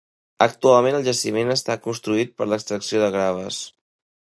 Actualment el jaciment està destruït per l’extracció de graves.